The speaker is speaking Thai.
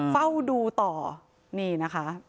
พูดูต่อนี่นะคะ